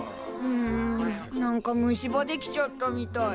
んなんか虫歯できちゃったみたい。